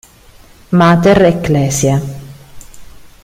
Mater Ecclesiae